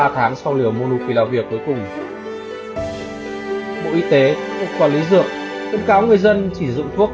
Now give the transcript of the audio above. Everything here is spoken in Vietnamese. tháng sau liều monopiravir cuối cùng bộ y tế hội quản lý dược cung cáo người dân chỉ sử dụng thuốc